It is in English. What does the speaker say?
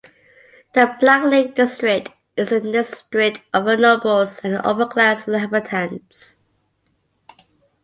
The Blacklake District is the district of the nobles and upper-class inhabitants.